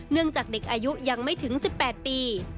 จากเด็กอายุยังไม่ถึง๑๘ปี